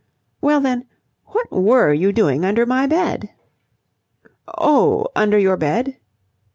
"Well, then, what were you doing under my bed?" "Oh, under your bed?"